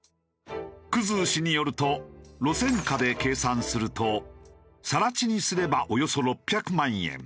生氏によると路線価で計算すると更地にすればおよそ６００万円。